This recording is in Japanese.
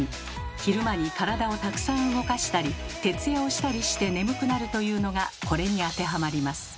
昼間に体をたくさん動かしたり徹夜をしたりして眠くなるというのがこれに当てはまります。